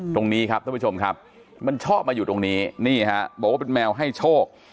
ตรงนี้ครับท่านผู้ชมครับมันชอบมาอยู่ตรงนี้นี่ฮะบอกว่าเป็นแมวให้โชค